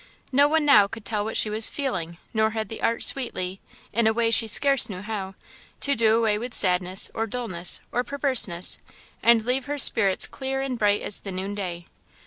No one now could tell what she was feeling, nor had the art sweetly, in a way she scarce knew how, to do away with sadness, or dulness, or perverseness, and leave her spirits clear and bright as the noonday.